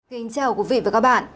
xin chào quý vị và các bạn